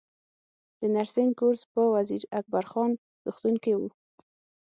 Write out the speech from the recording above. د نرسنګ کورس په وزیر اکبر خان روغتون کې و